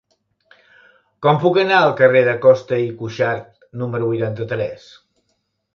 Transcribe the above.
Com puc anar al carrer de Costa i Cuxart número vuitanta-tres?